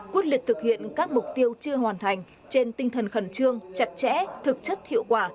quyết liệt thực hiện các mục tiêu chưa hoàn thành trên tinh thần khẩn trương chặt chẽ thực chất hiệu quả